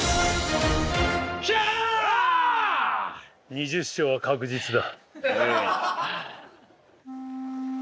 ２０勝は確実だ。